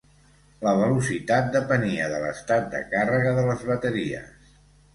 La velocitat depenia de l'estat de càrrega de les bateries.